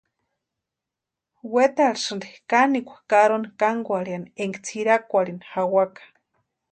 Wetarhisïnti wanikwa karoni kankwarhiani énka tsʼirakwarhini jawaka.